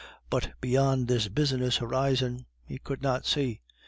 But beyond this business horizon he could not see.